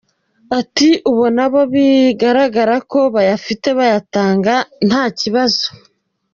Ati: “Ubona abo bigaragara ko bayafite bayatanga nta kibazo.